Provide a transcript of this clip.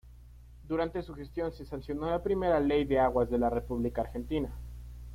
Durante su gestión se sancionó la primera Ley de Aguas de la República Argentina.